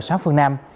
sáu phương nam